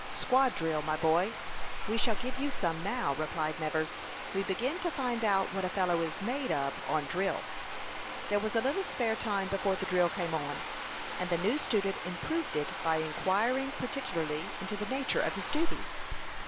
"Squad drill, my boy. We shall give you some now," replied Nevers. "We begin to find out what a fellow is made of on drill." There was a little spare time before the drill came on, and the new student improved it by inquiring particularly into the nature of his duties.